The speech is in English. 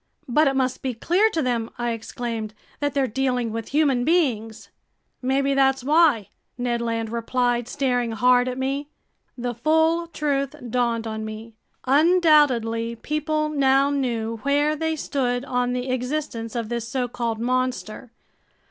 "But it must be clear to them," I exclaimed, "that they're dealing with human beings." "Maybe that's why!" Ned Land replied, staring hard at me. The full truth dawned on me. Undoubtedly people now knew where they stood on the existence of this so called monster.